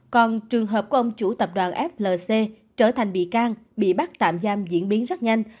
còn trường hợp của ông chủ tập đoàn flc trở thành bị can bị bắt tạm giam diễn biến rất nhanh